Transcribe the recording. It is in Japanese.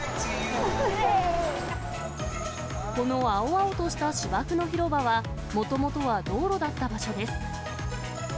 この青々とした芝生の広場は、もともとは道路だった場所です。